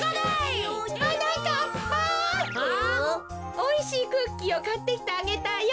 おいしいクッキーをかってきてあげたよ。